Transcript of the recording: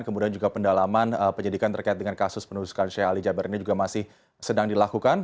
kemudian juga pendalaman penyidikan terkait dengan kasus penusukan sheikh ali jabar ini juga masih sedang dilakukan